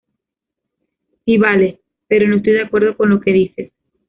Si vale, pero no estoy de acuerdo con lo que dices